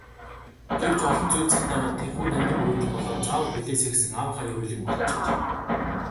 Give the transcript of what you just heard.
Гэвч олон зүйлд сатаараад тэрхүү нандин мөрөөдөл болоод заавал биелээсэй гэсэн аавынхаа ерөөлийг мартчихаж.